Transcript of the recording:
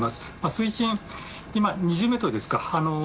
水深、今２０ｍですか。